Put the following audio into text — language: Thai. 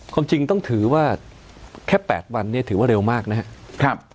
ความจริงต้องถือว่าแค่๘วันเนี่ยถือว่าเร็วมากนะครับ